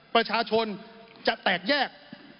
ประชาชนจะแตกแยก